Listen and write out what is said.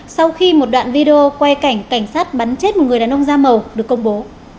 sau khi một đoạn video quay cảnh cảnh sát bắn chết một người đàn ông da màu được công bố